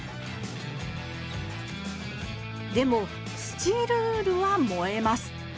でもスチールウールは燃えます。